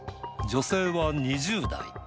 女性は２０代。